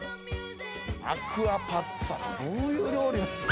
・アクアパッツァどういう料理。